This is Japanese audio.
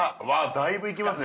だいぶいきますね